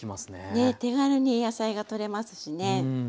ねっ手軽に野菜がとれますしね。